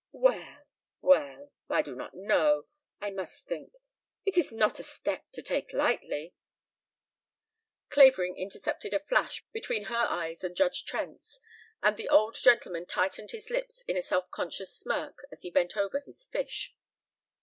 "Well well I do not know. I must think. It is not a step to take lightly." Clavering intercepted a flash between her eyes and Judge Trent's and the old gentleman tightened his lips in a self conscious smirk as he bent over his fish.